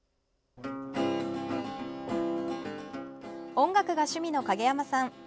音楽が趣味の影山さん。